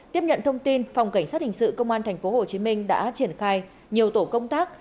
tiếp nhận thông tin phòng cảnh sát hình sự công an tp hcm đã triển khai nhiều tổ công tác